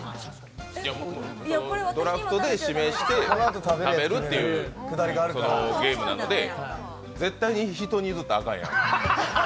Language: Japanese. ドラフトで指名して食べるっていうゲームなので、絶対に人に譲ったらあかんやろ。